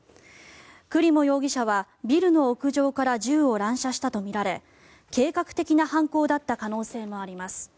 クリモ容疑者はビルの屋上から銃を乱射したとみられ計画的な犯行だった可能性もあります。